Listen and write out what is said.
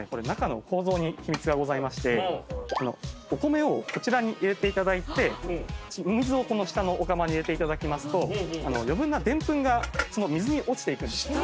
中の構造に秘密がございましてお米をこちらに入れていただいてお水をこの下のお釜に入れていただきますと余分なでんぷんが水に落ちていくんです。